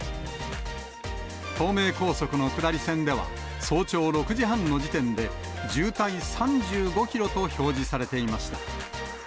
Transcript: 東名高速の下り線では、早朝６時半の時点で、渋滞３５キロと表示されていました。